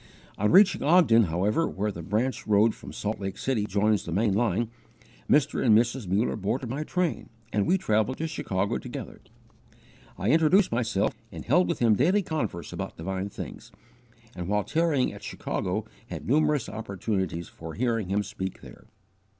On reaching Ogden, however, where the branch road from Salt Lake City joins the main line, Mr. and Mrs. Muller boarded my train and we travelled to Chicago together. I introduced myself, and held with him daily converse about divine things, and, while tarrying at Chicago, had numerous opportunities for hearing him speak there.